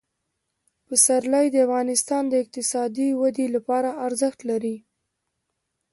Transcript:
پسرلی د افغانستان د اقتصادي ودې لپاره ارزښت لري.